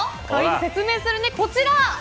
説明するね、こちら。